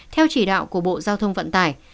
theo chỉ đạo của bộ giao thông vận tải